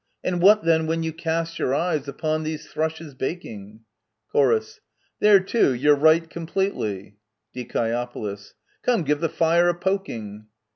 And what then when you cast your eyes Upon these thrushes baking ? Chor. There, too, you're right completely ! Die. Come, give the fire a poking